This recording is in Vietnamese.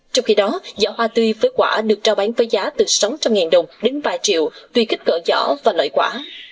trong khi đó giá hoa tươi với quả được trao bán với giá từ sáu trăm linh đồng đến vài triệu tùy kích cỡ giỏ và loại quả